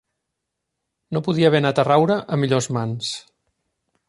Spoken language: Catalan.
No podia haver anat a raure a millors mans.